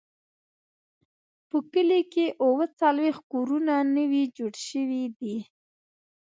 په کلي کې اووه څلوېښت کورونه نوي جوړ شوي دي.